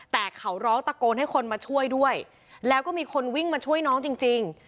แต่เขาร้องตะโกนให้คนมาช่วยด้วยแล้วก็มีคนวิ่งมาช่วยน้องจริง